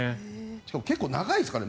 しかも結構長いですからね。